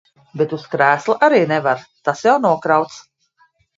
Bet uz krēsla arī nevar, tas jau nokrauts.